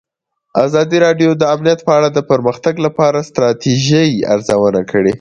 ازادي راډیو د امنیت په اړه د پرمختګ لپاره د ستراتیژۍ ارزونه کړې.